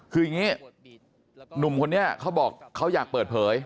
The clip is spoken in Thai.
คืออย่างนี้หนุ่มคนนี้เขาบอกเขาอยากเปิดเผย